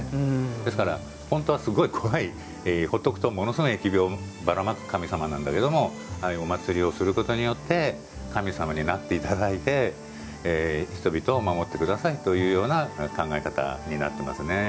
ですから、本当はすごい怖いほっとくと、ものすごい疫病をばらまく神様なんですけどそういうお祭りをすることによって神様になっていただいて人々を守ってくださいというような考え方になっています。